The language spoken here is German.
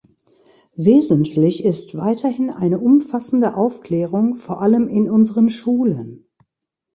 Wesentlich ist weiterhin eine umfassende Aufklärung vor allem in unseren Schulen.